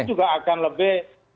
itu juga akan lebih